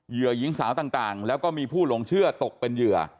หญิงสาวต่างแล้วก็มีผู้หลงเชื่อตกเป็นเหยื่อ